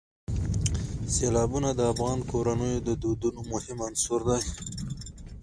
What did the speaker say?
سیلابونه د افغان کورنیو د دودونو مهم عنصر دی.